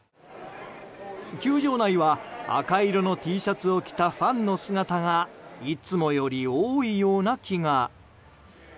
球場内は赤色のＴシャツを着たファンの姿がいつもより多いような気が。